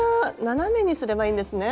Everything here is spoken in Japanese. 斜めにすればいいんですね。